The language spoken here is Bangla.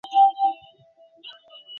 ওরা রওনা দিয়েছে।